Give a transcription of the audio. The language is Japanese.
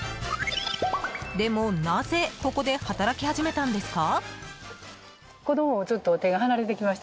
でも、なぜここで働き始めたんですか？